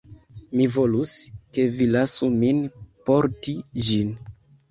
Mi volus, ke vi lasu min porti ĝin.